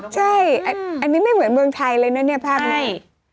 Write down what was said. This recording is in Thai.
ใช่อันนี้ไม่เหมือนเมืองไทยเลยนะเนี่ยภาพนี้